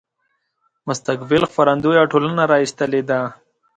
مستقبل خپرندويه ټولنې را ایستلی دی.